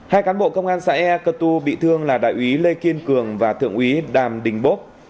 hai cán bộ công an xã ea cơ tu bị thương là đại úy lê kiên cường và thượng úy đàm đình bốp